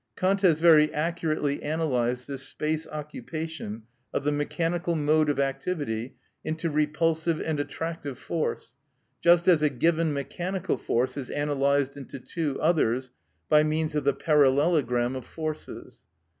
Kant has very accurately analysed this space occupation of the mechanical mode of activity into repulsive and attractive force, just as a given mechanical force is analysed into two others by means of the parallelogram of forces.